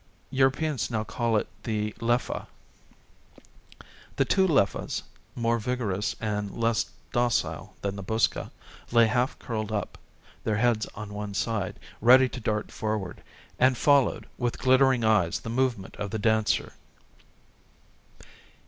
Europeans now call it the leffah. "The two leffahs, more vigorous and less docile than the buska, lay half curled up, their heads on one side, ready to dart forward, and followed with glittering eyes the movements of the dancer.